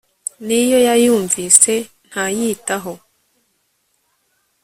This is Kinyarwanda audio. n'iyo yayumvise, ntayitaho